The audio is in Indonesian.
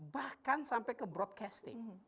bahkan sampai ke broadcasting